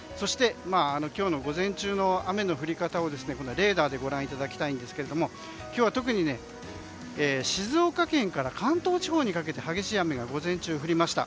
今日の午前中は雨の降り方をレーダーでご覧いただきたいんですが今日は特に静岡県から関東地方にかけて激しい雨が午前中降りました。